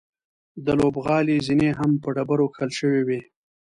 د لوبغالي زینې هم په ډبرو کښل شوې وې.